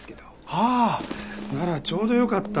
ああならちょうどよかった。